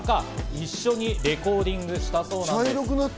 一緒にレコーディングしたそうなんです。